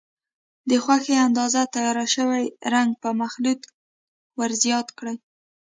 د خوښې اندازه تیار شوی رنګ په مخلوط ور زیات کړئ.